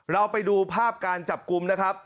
เราไปดูภาพการจับกลุ่มนะครับ